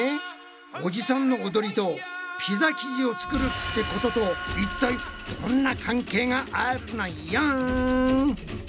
おじさんのおどりとピザ生地を作るってことといったいどんな関係があるのよん？